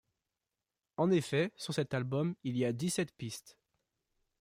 En effet, sur cet album, il y a dix-sept pistes.